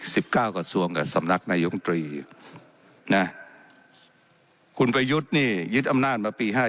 สิบเก้ากระทรวงกับสำนักนายมตรีนะคุณประยุทธ์นี่ยึดอำนาจมาปีห้า